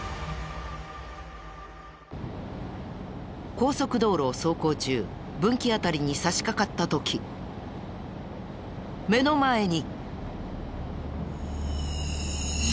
高速道路を走行中分岐辺りに差しかかった時目の前に。